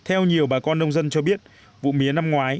theo nhiều bà con nông dân cho biết vụ mía năm ngoái